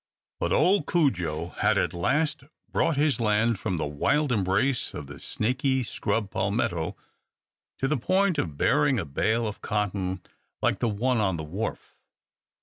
But old Cudjo had at last brought his land from the wild embrace of the snaky scrub palmetto to the point of bearing a bale of cotton like the one on the wharf.